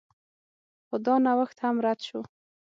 خو دا نوښت هم رد شو.